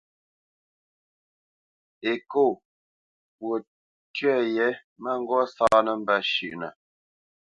Ekô fwo tyə yě má ŋgó sáánə̄ mbə́ shʉ́ʼnə.